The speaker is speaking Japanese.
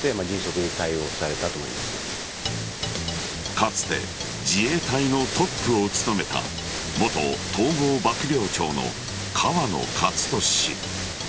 かつて自衛隊のトップを務めた元統合幕僚長の河野克俊氏。